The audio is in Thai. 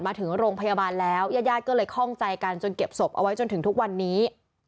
มาถึงโรงพยาบาลแล้วยาดก็เลยคล่องใจกันจนเก็บศพเอาไว้จนถึงทุกวันนี้